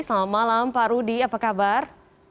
selamat malam pak rudi apa kabar